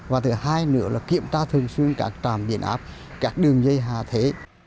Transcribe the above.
và thứ hai nữa là kiểm tra thường xuyên các trạm biển áp các đường dây hạ thế